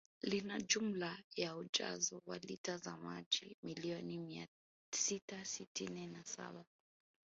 Lina jumla ya ujazo wa lita za maji milioni mia sita sitini na saba